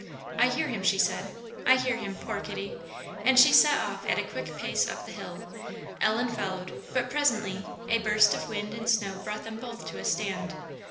"I hear him!" she said; "I hear him! poor kitty!" and she set off at a quick pace up the hill. Ellen followed, but presently a burst of wind and snow brought them both to a stand.